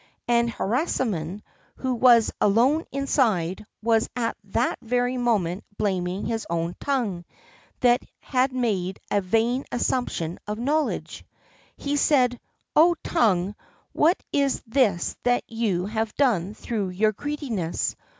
And Harisarman, who was alone inside, was at that very moment blaming his own tongue, that had made a vain assumption of knowledge. He said: "Oh, tongue, what is this that you have done through your greediness?